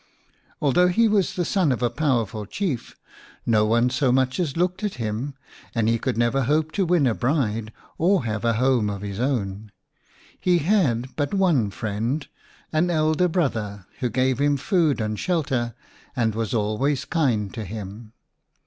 Although he was the son of a powerful Chief, no one so much as looked at him, and he could never hope to win a bride or have a home of his own. He had but one friend, an elder brother, who gave him food and shelter, and was always kind to him.